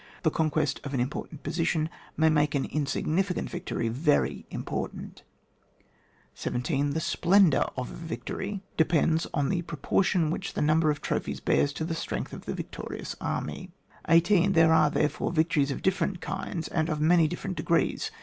The conquest of an important position may make an in significant victory very important. 17. The splendour of a victory de pends on the proportion which the number of trophies bears to the strength of the victorious army. 18. There are therefore victories of different kinds, and of many different degrees.